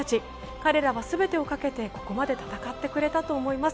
彼らは全てをかけてここまで戦ってくれたと思います